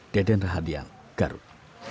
deden rahadiyal garut